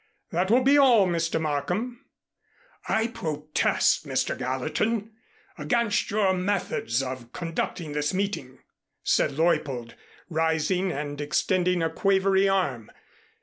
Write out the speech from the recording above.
"That will be all, Mr. Markham." "I protest, Mr. Gallatin, against your methods of conducting this meeting," said Leuppold, rising and extending a quavery arm.